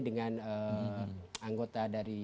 dengan anggota dari